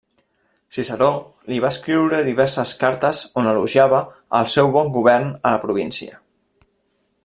Ciceró li va escriure diverses cartes on elogiava el seu bon govern a la província.